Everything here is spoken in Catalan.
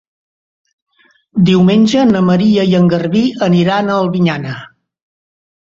Diumenge na Maria i en Garbí aniran a Albinyana.